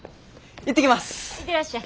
行ってらっしゃい。